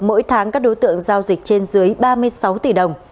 mỗi tháng các đối tượng giao dịch trên dưới ba mươi sáu tỷ đồng